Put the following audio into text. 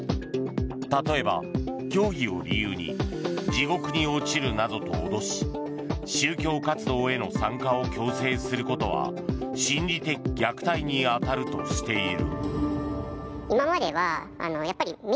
例えば、教義を理由に地獄に落ちるなどと脅し宗教活動への参加を強制することは心理的虐待に当たるとしている。